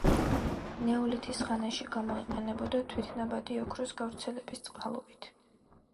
ნეოლითის ხანაში გამოიყენებდა, თვითნაბადი ოქროს გავრცელების წყალობით.